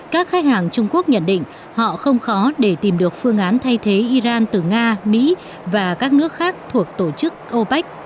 các khách hàng trung quốc nhận định họ không khó để tìm được phương án thay thế iran từ nga mỹ và các nước khác thuộc tổ chức opec